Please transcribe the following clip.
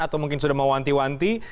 atau mungkin sudah mewanti wanti